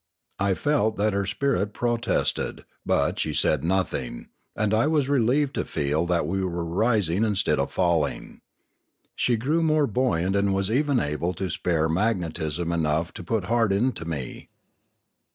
I felt that her spirit protested; but she said nothing, and I was relieved to feel that we were rising instead of falling. She grew more buoyant and was even able to spare magnetism enough to put heart into me.